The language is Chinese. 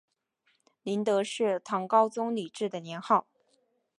麟德是唐高宗李治的年号。